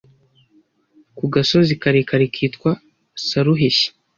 ku gasozi karekare kitwa Saruheshyi